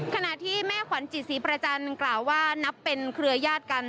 ขณะที่แม่ขวัญจิตศรีประจันทร์กล่าวว่านับเป็นเครือยาศกัน